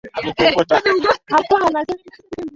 Tunawaelekeza wavuvi sehemu za kwenda kuvua